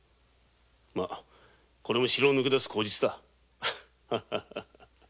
まこれも城を抜け出す口実だ。